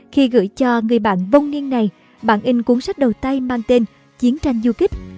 khi gửi cho người bạn vông niên này bạn in cuốn sách đầu tay mang tên chiến tranh du kích